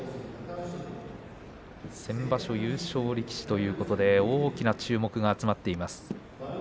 先場所優勝力士ということで大きな注目が集まっています。